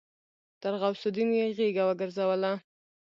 تر غوث الدين يې غېږه وګرځوله.